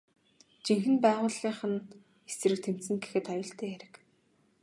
Жинхэнэ байгууллынх нь эсрэг тэмцэнэ гэхэд аюултай хэрэг.